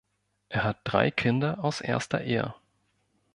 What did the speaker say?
Er hat drei Kinder aus erster Ehe.